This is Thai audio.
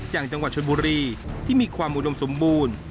อย่างจังหวัดชนบุรีที่มีความอุดมสมบูรณ์